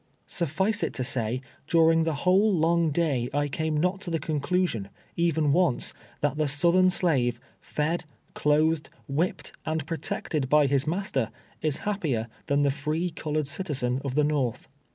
Suffice it to say, during the whole long day I came not to the conclusion, even once, that the southern slave, fed, clothed, whipped and protected by his master, is happier than the free colored citizen of the Korth.